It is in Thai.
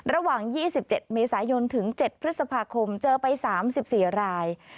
ระหว่าง๒๗เมษายนถึง๗พฤษภาคมเจอไป๓๔ราย